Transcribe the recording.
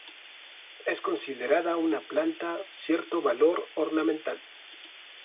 Es considerada una planta cierto valor ornamental.